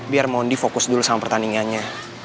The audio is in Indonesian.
biar mondi fokus dulu sama pertandingannya